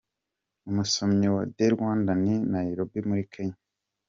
Umusomyi wa TheRwandan i Nairobi muri Kenya